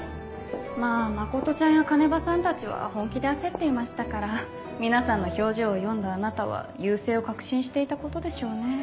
まぁ真ちゃんや鐘場さんたちは本気で焦っていましたから皆さんの表情を読んだあなたは優勢を確信していたことでしょうね。